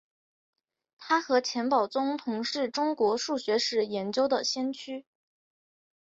他和钱宝琮同是中国数学史研究的先驱。